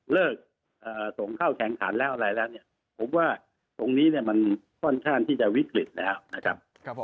ส่งเข้าแข่งขันแล้วอะไรแล้วเนี่ยผมว่าตรงนี้เนี่ยมันค่อนข้างที่จะวิกฤตแล้วนะครับ